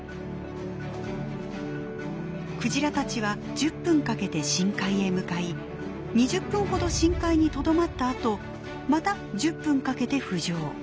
クジラたちは１０分かけて深海へ向かい２０分ほど深海にとどまったあとまた１０分かけて浮上。